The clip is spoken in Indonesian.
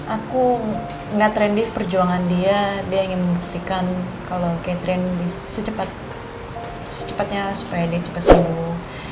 aku liat randy perjuangan dia dia ingin membuktikan kalo catherine secepatnya supaya cepet sembuh